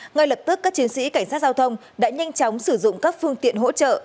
ngay lập tức các chiến sĩ cảnh sát giao thông đã nhanh chóng sử dụng các phương tiện hỗ trợ